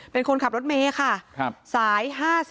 เป็นคนขับรถเมย์ค่ะสาย๕๔